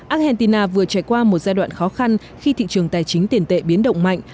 argentina vừa trải qua một giai đoạn khó khăn khi thị trường tài chính tiền tệ biến động mạnh